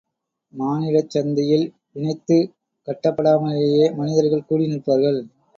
மானிடச் சந்தையில் இணைத்துக் கட்டப்படாமலேயே மனிதர்கள் கூடிநிற்பார்கள்.